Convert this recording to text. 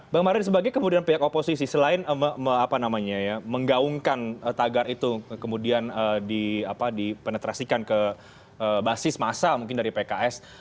bang mard sebagai kemudian pihak oposisi selain menggaungkan tagar itu kemudian dipenetrasikan ke basis masa mungkin dari pks